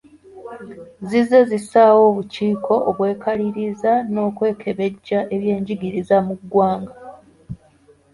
Zizze zissaawo obukiiko obwekaliriza n'okwekebejja eby'enjigiriza mu ggwanga.